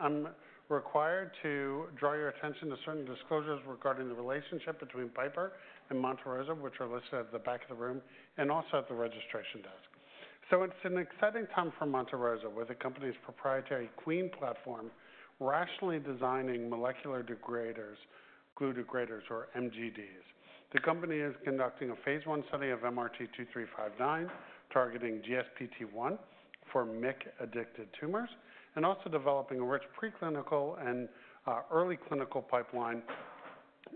I'm required to draw your attention to certain disclosures regarding the relationship between Piper and Monte Rosa, which are listed at the back of the room and also at the registration desk. It's an exciting time for Monte Rosa, where the company's proprietary QuEEN platform rationally designs molecular glue degraders, or MGDs. The company is conducting a phase I study of MRT-2359, targeting GSPT1 for MYC-addicted tumors, and also developing a rich preclinical and early clinical pipeline,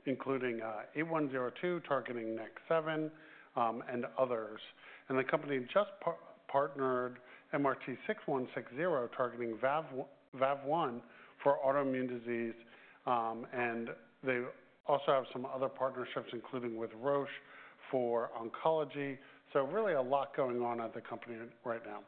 including MRT-8102, targeting NEK7 and others. The company just partnered MRT-6160, targeting VAV1 for autoimmune disease. They also have some other partnerships, including with Roche for oncology. Really a lot going on at the company right now.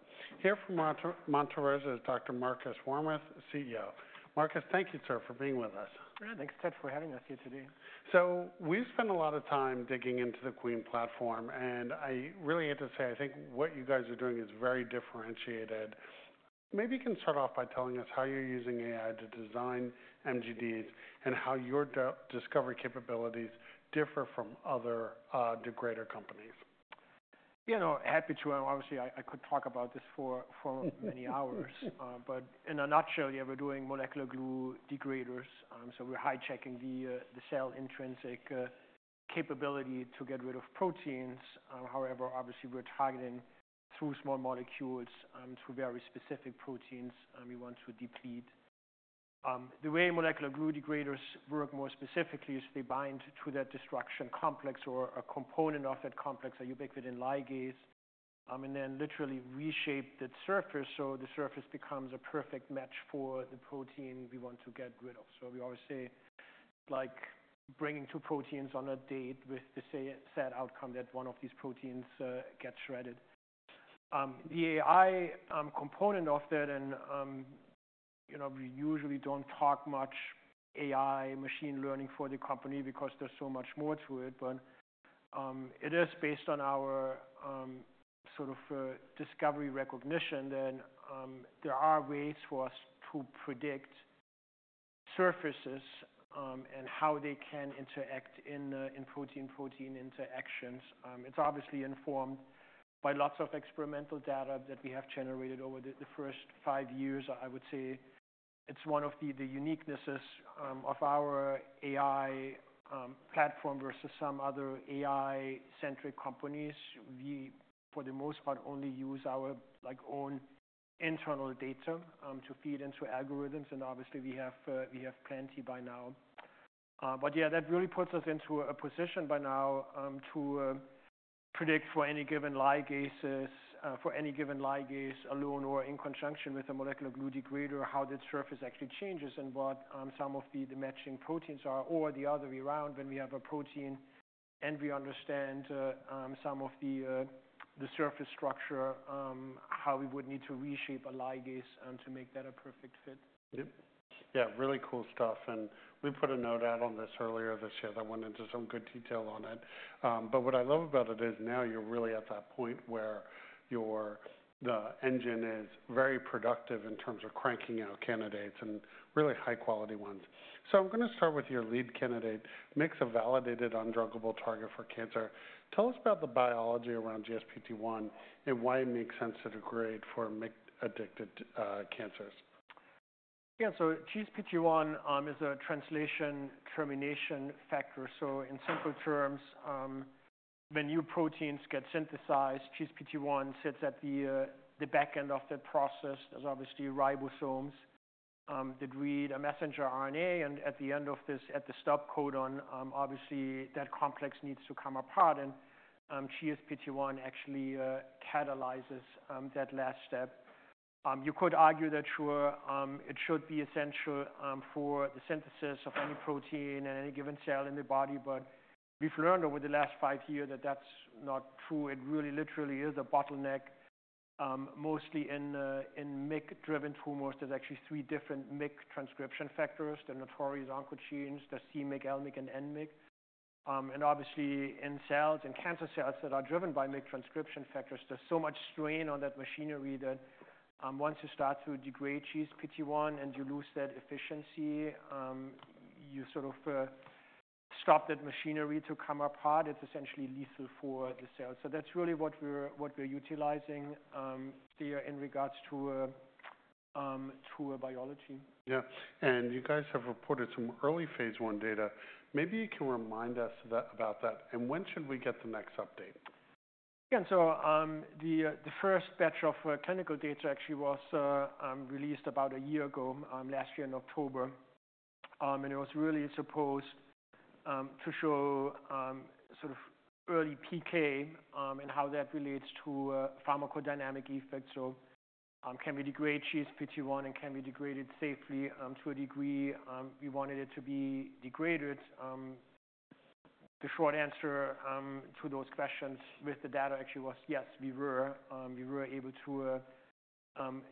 Here from Monte Rosa is Dr. Markus Warmuth, CEO. Markus, thank you, sir, for being with us. Yeah, thanks, Ted, for having us here today. So we spend a lot of time digging into the QuEEN platform, and I really hate to say, I think what you guys are doing is very differentiated. Maybe you can start off by telling us how you're using AI to design MGDs and how your discovery capabilities differ from other degrader companies. Yeah, no, happy to. Obviously, I could talk about this for many hours, but in a nutshell, yeah, we're doing molecular glue degraders. So we're hijacking the cell's intrinsic capability to get rid of proteins. However, obviously, we're targeting through small molecules to very specific proteins we want to deplete. The way molecular glue degraders work more specifically is they bind to that destruction complex or a component of that complex, a ubiquitin ligase, and then literally reshape that surface so the surface becomes a perfect match for the protein we want to get rid of. So we always say, like bringing two proteins on a date with the set outcome that one of these proteins gets shredded. The AI component of that, and we usually don't talk much about AI machine learning for the company because there's so much more to it, but it is based on our sort of discovery recognition that there are ways for us to predict surfaces and how they can interact in protein-protein interactions. It's obviously informed by lots of experimental data that we have generated over the first five years. I would say it's one of the uniquenesses of our AI platform versus some other AI-centric companies. We, for the most part, only use our own internal data to feed into algorithms, and obviously, we have plenty by now. But yeah, that really puts us into a position by now to predict for any given ligases, for any given ligase alone or in conjunction with a molecular glue degrader, how that surface actually changes and what some of the matching proteins are or the other way around when we have a protein and we understand some of the surface structure, how we would need to reshape a ligase to make that a perfect fit. Yep. Yeah, really cool stuff. And we put a note out on this earlier this year. That went into some good detail on it. But what I love about it is now you're really at that point where the engine is very productive in terms of cranking out candidates and really high-quality ones. So I'm going to start with your lead candidate, MYC is a validated, undruggable target for cancer. Tell us about the biology around GSPT1 and why it makes sense to degrade for MYC-addicted cancers. Yeah, so GSPT1 is a translation termination factor. So in simple terms, when new proteins get synthesized, GSPT1 sits at the back end of that process. There's obviously ribosomes that read a messenger RNA, and at the end of this, at the stop codon, obviously that complex needs to come apart, and GSPT1 actually catalyzes that last step. You could argue that it should be essential for the synthesis of any protein in any given cell in the body, but we've learned over the last five years that that's not true. It really literally is a bottleneck, mostly in MYC-driven tumors. There's actually three different MYC transcription factors. They're notorious oncogenes. There's c-MYC, L-MYC, and N-MYC. Obviously, in cells, in cancer cells that are driven by MYC transcription factors, there's so much strain on that machinery that once you start to degrade GSPT1 and you lose that efficiency, you sort of stop that machinery to come apart. It's essentially lethal for the cell. That's really what we're utilizing there in regards to biology. Yeah. And you guys have reported some early phase I data. Maybe you can remind us about that. And when should we get the next update? Yeah, so the first batch of clinical data actually was released about a year ago, last year in October. And it was really supposed to show sort of early PK and how that relates to pharmacodynamic effects. So can we degrade GSPT1 and can we degrade it safely to a degree we wanted it to be degraded? The short answer to those questions with the data actually was yes, we were able to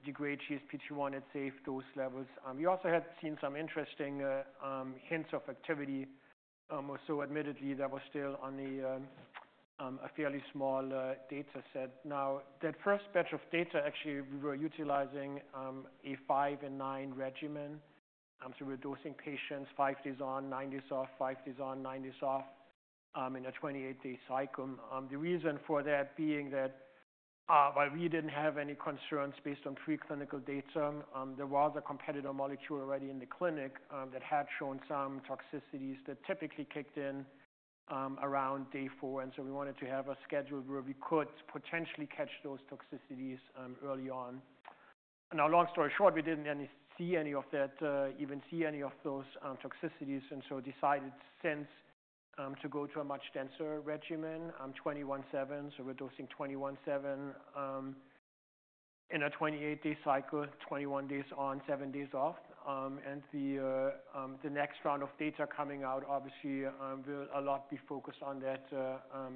degrade GSPT1 at safe dose levels. We also had seen some interesting hints of activity, although admittedly that was still on a fairly small data set. Now, that first batch of data actually we were utilizing a five and nine regimen. So we're dosing patients five days on, nine days off, five days on, nine days off in a 28-day cycle. The reason for that being that while we didn't have any concerns based on preclinical data, there was a competitor molecule already in the clinic that had shown some toxicities that typically kicked in around day four, so we wanted to have a schedule where we could potentially catch those toxicities early on. Now, long story short, we didn't even see any of those toxicities, and so decided to go to a much denser regimen, 21/7. We're dosing 21/7 in a 28-day cycle, 21 days on, seven days off. The next round of data coming out, obviously, will be a lot focused on that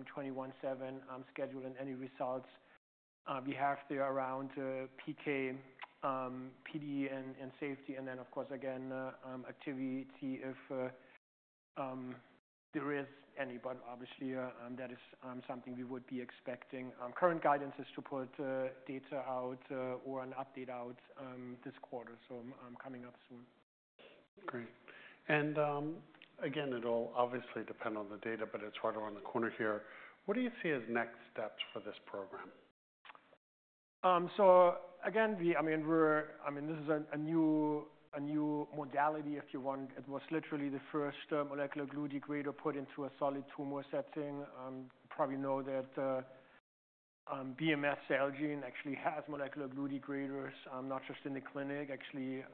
21/7 schedule and any results we have there around PK, PD, and safety. Then, of course, again, activity if there is any, but obviously that is something we would be expecting. Current guidance is to put data out or an update out this quarter, so coming up soon. Great. And again, it'll obviously depend on the data, but it's right around the corner here. What do you see as next steps for this program? Again, I mean, this is a new modality, if you want. It was literally the first molecular glue degrader put into a solid tumor setting. You probably know that BMS/Celgene actually has molecular glue degraders, not just in the clinic, actually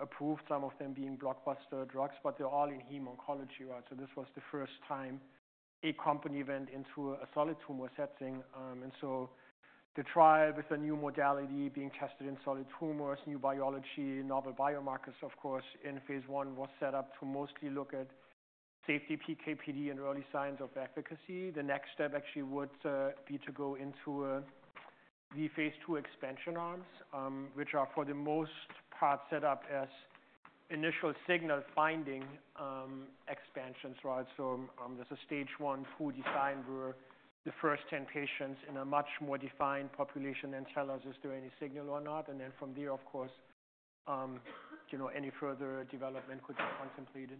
approved some of them being blockbuster drugs, but they're all in heme oncology, right? So this was the first time a company went into a solid tumor setting. And so the trial with a new modality being tested in solid tumors, new biology, novel biomarkers, of course, in phase I was set up to mostly look at safety, PK, PD, and early signs of efficacy. The next step actually would be to go into the phase II expansion arms, which are for the most part set up as initial signal finding expansions, right? So there's a stage one pool design where the first 10 patients in a much more defined population then tell us, is there any signal or not? And then from there, of course, any further development could be contemplated.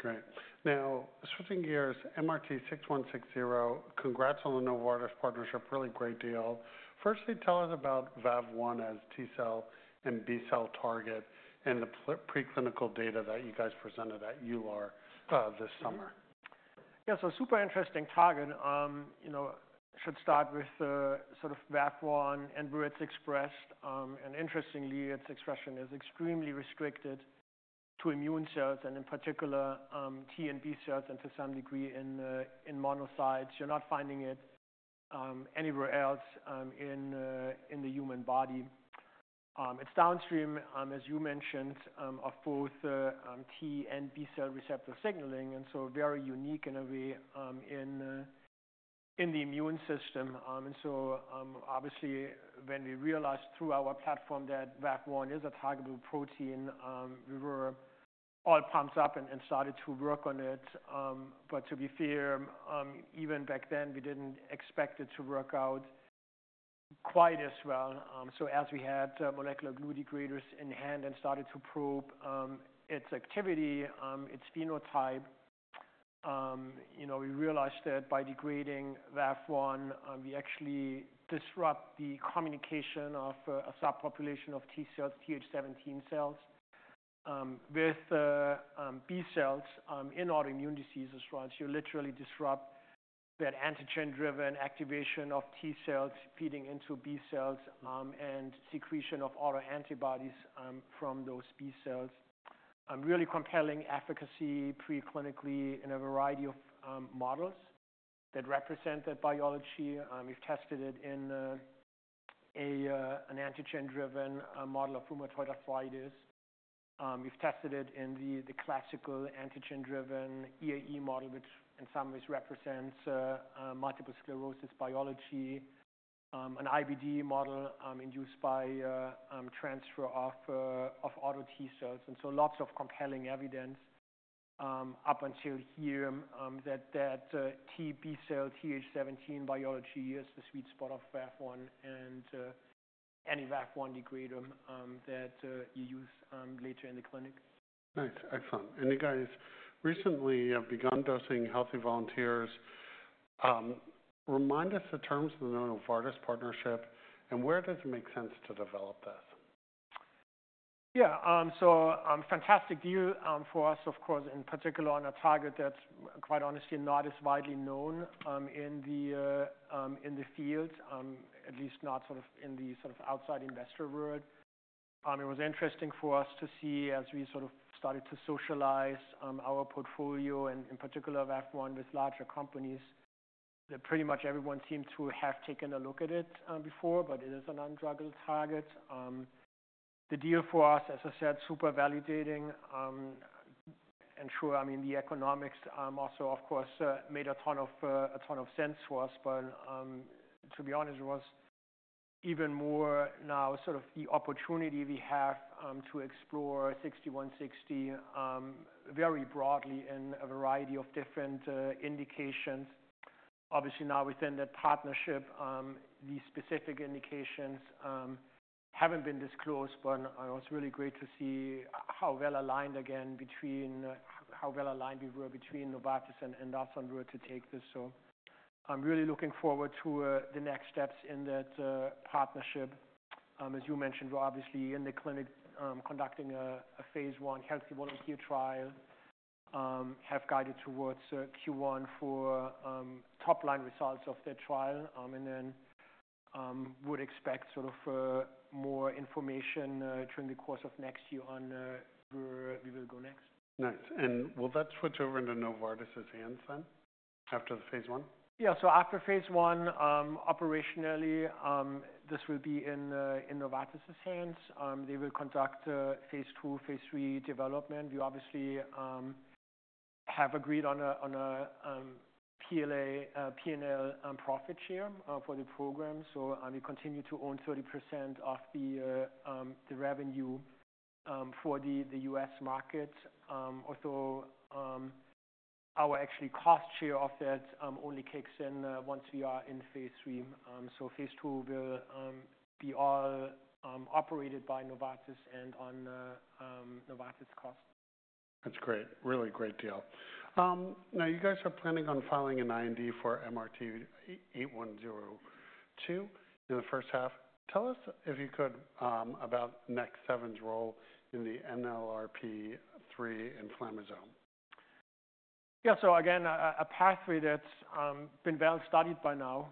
Great. Now, switching gears, MRT-6160, congrats on the Novartis partnership, really great deal. Firstly, tell us about VAV1 as T cell and B cell target and the preclinical data that you guys presented at EULAR this summer? Yeah, so super interesting target. Should start with sort of VAV1 and where it's expressed, and interestingly, its expression is extremely restricted to immune cells and in particular T and B cells and to some degree in monocytes. You're not finding it anywhere else in the human body. It's downstream, as you mentioned, of both T and B cell receptor signaling, and so very unique in a way in the immune system, and so obviously, when we realized through our platform that VAV1 is a targetable protein, we were all pumped up and started to work on it, but to be fair, even back then, we didn't expect it to work out quite as well. So as we had molecular glue degraders in hand and started to probe its activity, its phenotype, we realized that by degrading VAV1, we actually disrupt the communication of a subpopulation of T cells, Th17 cells, with B cells in autoimmune diseases, right? So you literally disrupt that antigen-driven activation of T cells feeding into B cells and secretion of autoantibodies from those B cells. Really compelling efficacy preclinically in a variety of models that represent that biology. We've tested it in an antigen-driven model of rheumatoid arthritis. We've tested it in the classical antigen-driven EAE model, which in some ways represents multiple sclerosis biology, an IBD model induced by transfer of auto T cells. And so lots of compelling evidence up until here that that T cell, B cell Th17 biology is the sweet spot of VAV1 and any VAV1 degrader that you use later in the clinic. Nice. Excellent. And you guys recently have begun dosing healthy volunteers. Remind us the terms of the Novartis partnership and where does it make sense to develop this? Yeah, so fantastic deal for us, of course, in particular on a target that's quite honestly not as widely known in the field, at least not sort of in the sort of outside investor world. It was interesting for us to see as we sort of started to socialize our portfolio and in particular VAV1 with larger companies that pretty much everyone seemed to have taken a look at it before, but it is an undruggable target. The deal for us, as I said, super validating, and sure, I mean, the economics also, of course, made a ton of sense for us, but to be honest, it was even more now sort of the opportunity we have to explore 6160 very broadly in a variety of different indications. Obviously, now within that partnership, the specific indications haven't been disclosed, but it was really great to see how well aligned we were between Novartis and us on where to take this. So I'm really looking forward to the next steps in that partnership. As you mentioned, we're obviously in the clinic conducting a phase I healthy volunteer trial, have guided towards Q1 for top-line results of that trial, and then would expect sort of more information during the course of next year on where we will go next. Nice. And will that switch over into Novartis's hands then after the phase I? Yeah. So after phase I, operationally, this will be in Novartis's hands. They will conduct phase II, phase III development. We obviously have agreed on a P&L profit share for the program. So we continue to own 30% of the revenue for the U.S. market. Although our actual cost share of that only kicks in once we are in phase III. So phase II will be all operated by Novartis and on Novartis cost. That's great. Really great deal. Now, you guys are planning on filing an IND for MRT-8102 in the first half. Tell us, if you could, about NEK7's role in the NLRP3 inflammasome. Yeah. So again, a pathway that's been well studied by now.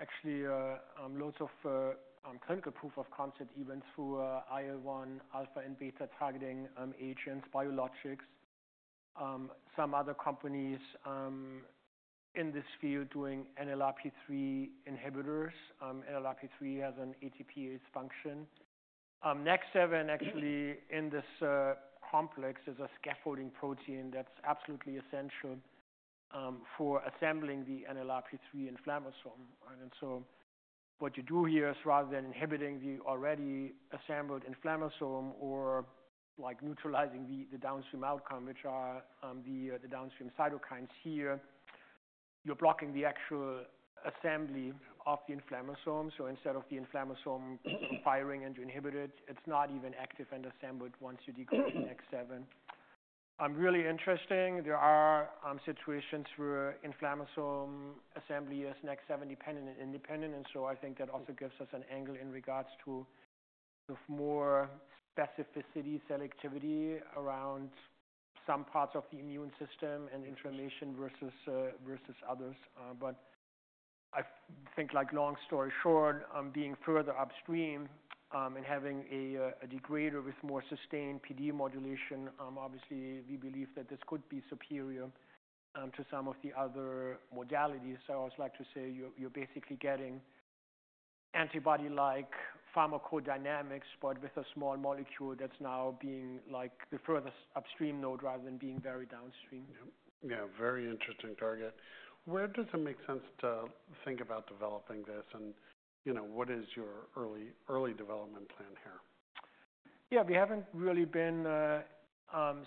Actually, loads of clinical proof of concept events for IL-1, alpha and beta targeting agents, biologics. Some other companies in this field doing NLRP3 inhibitors. NLRP3 has an ATPase function. NEK7, actually, in this complex is a scaffolding protein that's absolutely essential for assembling the NLRP3 inflammasome. And so what you do here is rather than inhibiting the already assembled inflammasome or neutralizing the downstream outcome, which are the downstream cytokines here, you're blocking the actual assembly of the inflammasome. So instead of the inflammasome firing and you inhibit it, it's not even active and assembled once you degrade NEK7. Really interesting. There are situations where inflammasome assembly is NEK7-dependent and independent. And so I think that also gives us an angle in regards to more specificity, selectivity around some parts of the immune system and inflammation versus others. But I think, long story short, being further upstream and having a degrader with more sustained PD modulation, obviously, we believe that this could be superior to some of the other modalities. So I would like to say you're basically getting antibody-like pharmacodynamics, but with a small molecule that's now being the furthest upstream node rather than being very downstream. Yeah. Very interesting target. Where does it make sense to think about developing this? And what is your early development plan here? Yeah. We haven't really been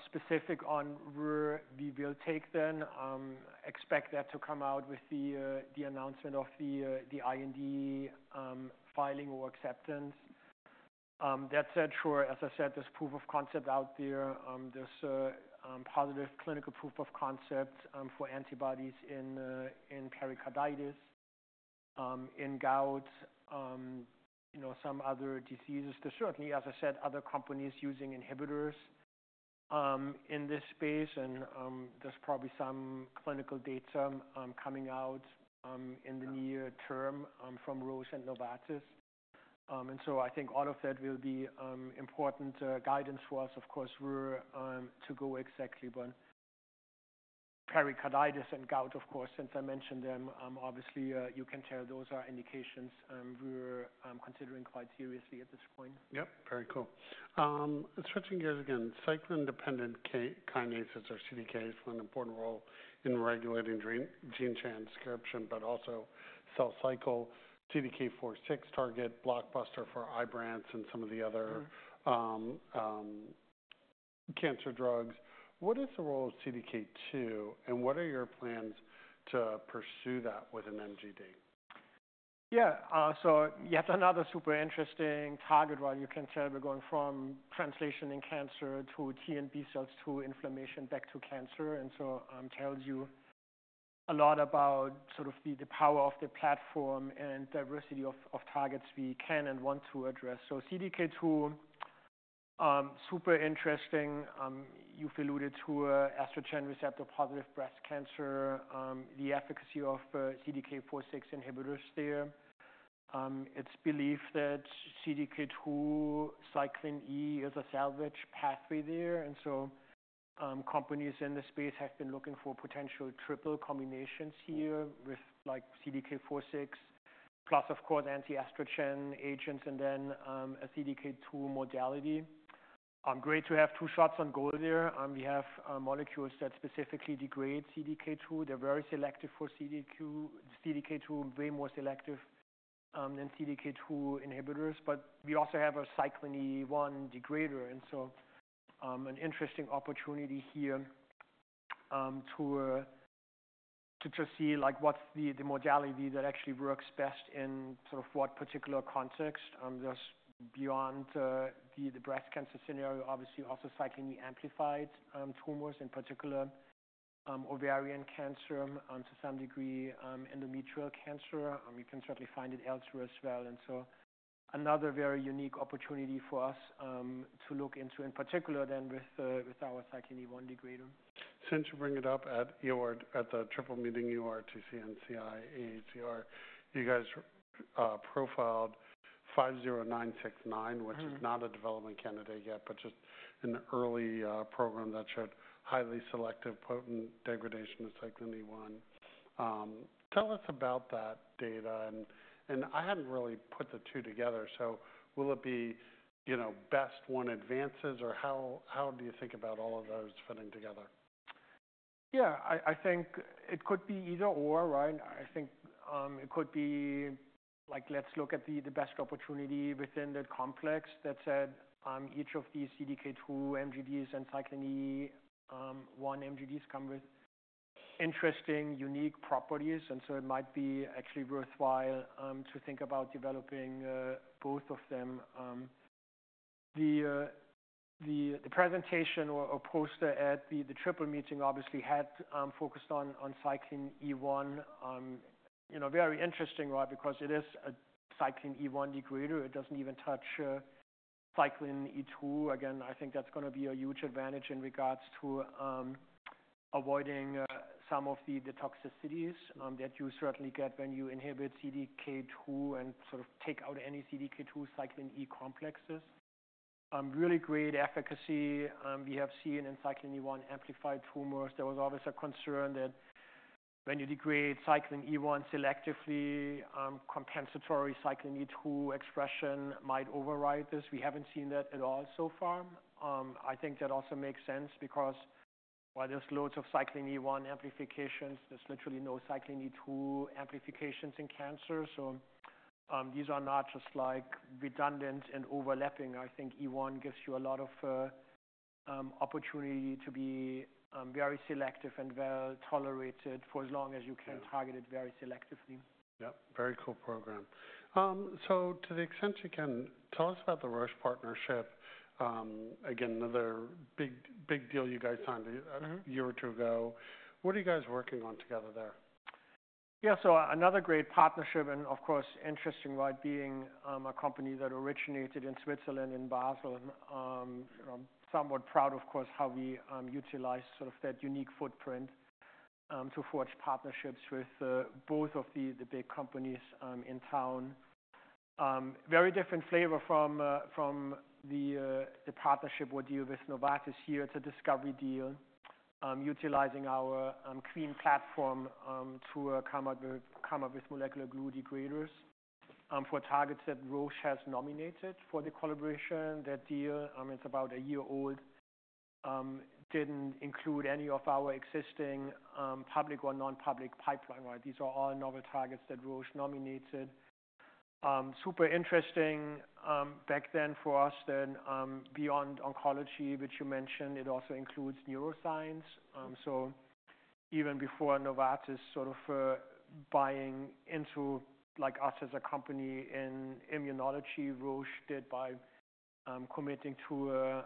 specific on where we will take them. Expect that to come out with the announcement of the IND filing or acceptance. That said, sure, as I said, there's proof of concept out there. There's positive clinical proof of concept for antibodies in pericarditis, in gout, some other diseases. There's certainly, as I said, other companies using inhibitors in this space, and there's probably some clinical data coming out in the near term from Roche and Novartis, and so I think all of that will be important guidance for us, of course, where to go exactly, but pericarditis and gout, of course, since I mentioned them, obviously, you can tell those are indications we're considering quite seriously at this point. Yep. Very cool. Switching gears again, cyclin-dependent kinases or CDKs play an important role in regulating gene transcription, but also cell cycle. CDK4/6 target, blockbuster for Ibrance and some of the other cancer drugs. What is the role of CDK2, and what are your plans to pursue that with an MGD? Yeah. So yet another super interesting target, right? You can tell we're going from translation in cancer to T and B cells to inflammation back to cancer. And so it tells you a lot about sort of the power of the platform and diversity of targets we can and want to address. So CDK2, super interesting. You've alluded to estrogen-receptor-positive breast cancer, the efficacy of CDK4/6 inhibitors there. It's believed that CDK2 cyclin E is a salvage pathway there. And so companies in the space have been looking for potential triple combinations here with CDK4/6, plus, of course, anti-estrogen agents and then a CDK2 modality. Great to have two shots on goal there. We have molecules that specifically degrade CDK2. They're very selective for CDK2, way more selective than CDK2 inhibitors. But we also have a cyclin E1 degrader. And so an interesting opportunity here to just see what's the modality that actually works best in sort of what particular context. There's beyond the breast cancer scenario, obviously, also cyclin E-amplified tumors in particular, ovarian cancer to some degree, endometrial cancer. You can certainly find it elsewhere as well. And so another very unique opportunity for us to look into in particular then with our cyclin E1 degrader. Since you bring it up at the Triple Meeting, EORTC and NCI-AACR, you guys profiled 50969, which is not a development candidate yet, but just an early program that showed highly selective potent degradation of cyclin E1. Tell us about that data. And I hadn't really put the two together. So will it be best one advances, or how do you think about all of those fitting together? Yeah. I think it could be either/or, right? I think it could be like, let's look at the best opportunity within that complex. That said, each of these CDK2 MGDs and cyclin E1 MGDs come with interesting, unique properties. And so it might be actually worthwhile to think about developing both of them. The presentation or poster at the Triple Meeting obviously had focused on cyclin E1. Very interesting, right? Because it is a cyclin E1 degrader. It doesn't even touch cyclin E2. Again, I think that's going to be a huge advantage in regards to avoiding some of the toxicities that you certainly get when you inhibit CDK2 and sort of take out any CDK2 cyclin E complexes. Really great efficacy. We have seen in cyclin E1-amplified tumors. There was always a concern that when you degrade cyclin E1 selectively, compensatory cyclin E2 expression might override this. We haven't seen that at all so far. I think that also makes sense because while there's loads of cyclin E1 amplifications, there's literally no cyclin E2 amplifications in cancer. So these are not just redundant and overlapping. I think E1 gives you a lot of opportunity to be very selective and well tolerated for as long as you can target it very selectively. Yep. Very cool program. So to the extent you can, tell us about the Roche partnership. Again, another big deal you guys signed a year or two ago. What are you guys working on together there? Yeah. So another great partnership and, of course, interesting, right, being a company that originated in Switzerland in Basel. Somewhat proud, of course, how we utilize sort of that unique footprint to forge partnerships with both of the big companies in town. Very different flavor from the partnership we're dealing with Novartis here. It's a discovery deal utilizing our QuEEN platform to come up with molecular glue degraders for targets that Roche has nominated for the collaboration. That deal, I mean, it's about a year old, didn't include any of our existing public or non-public pipeline, right? These are all novel targets that Roche nominated. Super interesting back then for us then beyond oncology, which you mentioned, it also includes neuroscience. So even before Novartis sort of buying into us as a company in immunology, Roche did by committing to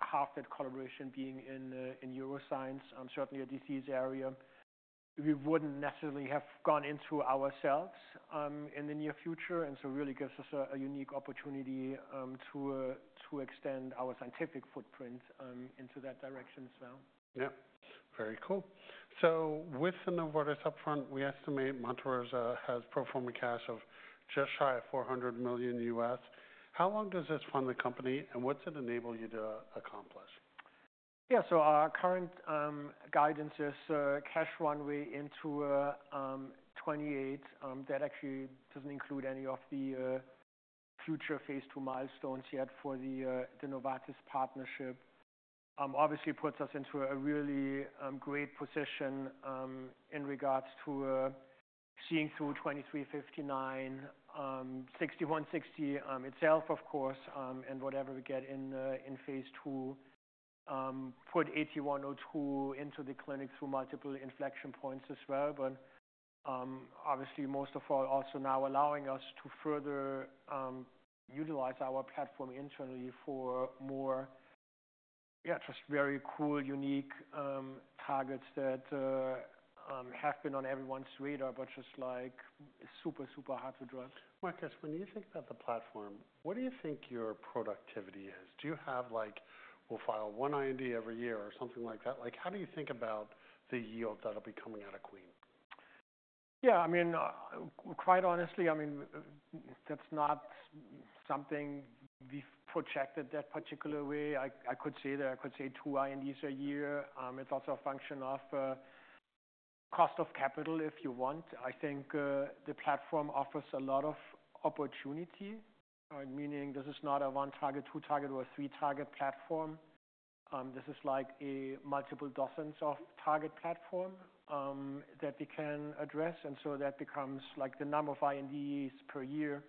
half that collaboration being in neuroscience, certainly a disease area. We wouldn't necessarily have gone into it ourselves in the near future, and so it really gives us a unique opportunity to extend our scientific footprint into that direction as well. Yep. Very cool. So with the Novartis upfront, we estimate Monte Rosa has pro forma cash of just shy of $400 million. How long does this fund the company, and what's it enable you to accomplish? Yeah. So our current guidance is cash runway into 2028. That actually doesn't include any of the future phase II milestones yet for the Novartis partnership. Obviously, it puts us into a really great position in regards to seeing through 2359, 6160 itself, of course, and whatever we get in phase II. Put 8102 into the clinic through multiple inflection points as well. But obviously, most of all, also now allowing us to further utilize our platform internally for more, yeah, just very cool, unique targets that have been on everyone's radar, but just super, super hard to drug. Markus, when you think about the platform, what do you think your productivity is? Do you have, "We'll file one IND every year or something like that"? How do you think about the yield that'll be coming out of QuEEN? Yeah. I mean, quite honestly, I mean, that's not something we've projected that particular way. I could say two INDs a year. It's also a function of cost of capital, if you want. I think the platform offers a lot of opportunity, meaning this is not a one-target, two-target, or three-target platform. This is like a multiple dozens of target platforms that we can address. And so that becomes the number of INDs per year.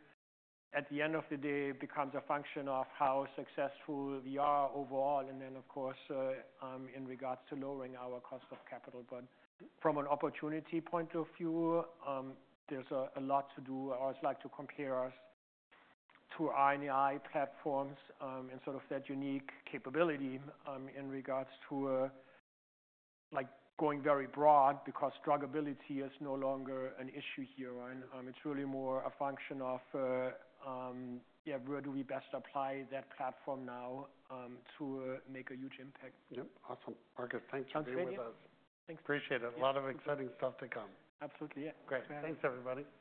At the end of the day, it becomes a function of how successful we are overall. And then, of course, in regards to lowering our cost of capital. But from an opportunity point of view, there's a lot to do. I always like to compare us to RNAi platforms and sort of that unique capability in regards to going very broad because druggability is no longer an issue here, right? It's really more a function of, yeah, where do we best apply that platform now to make a huge impact. Yep. Awesome. Markus, thank you very much. I appreciate it. Appreciate it. A lot of exciting stuff to come. Absolutely. Yeah. Great. Thanks, everybody.